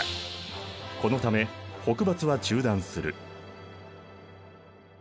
このため北伐は中断する。